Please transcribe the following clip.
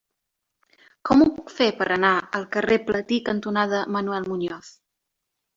Com ho puc fer per anar al carrer Platí cantonada Manuel Muñoz?